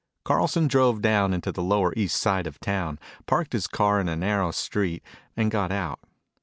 Carlson drove down into the lower east side of town, parked his car in a narrow street, and got out.